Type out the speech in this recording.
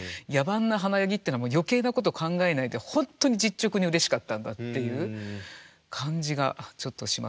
野蛮な華やぎっていうのは余計なこと考えないで本当に実直にうれしかったんだっていう感じがちょっとしますね